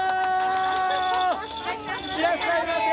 いらっしゃいませ。